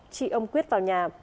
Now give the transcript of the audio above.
chị ông quyết vào nhà